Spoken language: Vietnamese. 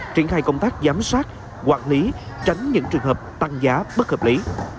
triển khai công tác giám sát quản lý tránh những trường hợp tăng giá bất hợp lý